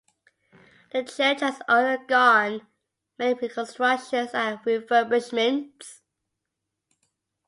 The church has undergone many reconstructions and refurbishments.